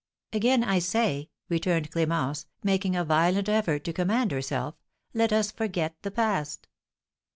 "Again I say," returned Clémence, making a violent effort to command herself, "let us forget the past."